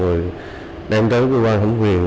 rồi đem tới cơ quan thẩm quyền